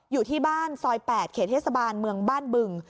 อยู่ที่บ้านซอย๘เขตเทศบาลเมืองบ้านบึง